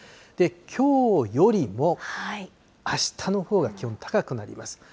きょうよりも、あしたのほうが気温高くなります。